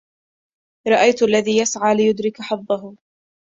رأيت الذي يسعى ليدرك حظه